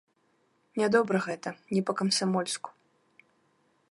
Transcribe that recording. Нядобра гэта, не па-камсамольску.